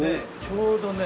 ちょうどね